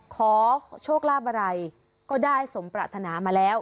ขอโชคลาภอะไรก็ได้สมปรารถนามาแล้ว